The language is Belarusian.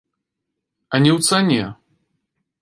А не ў цане!